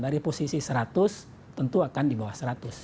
dari posisi seratus tentu akan di bawah seratus